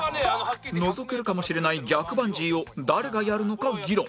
のぞけるかもしれない逆バンジーを誰がやるのか議論